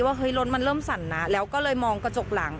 เฮ้ยรถมันเริ่มสั่นนะแล้วก็เลยมองกระจกหลัง